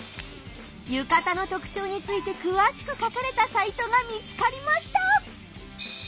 ゆかたの特徴についてくわしく書かれたサイトが見つかりました！